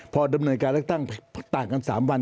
พอดำเนินการเลือกตั้งต่างกัน๓วัน